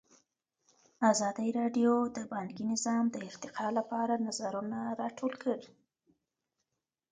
ازادي راډیو د بانکي نظام د ارتقا لپاره نظرونه راټول کړي.